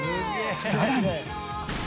さらに。